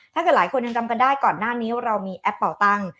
ถ้าเกิดหลายคนยังจำกันได้ก่อนหน้านี้เรามีแอปเป่าตั้ง